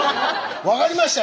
分かりました。